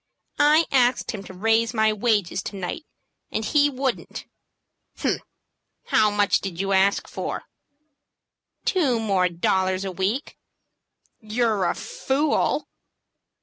"I asked him to raise my wages to night, and he wouldn't." "Umph! How much did you ask for?" "Two dollars more a week." "You're a fool!"